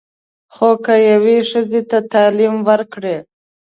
خو که یوې ښځې ته تعلیم ورکړې.